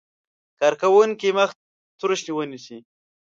کارکوونکی مخ تروش ونیسي.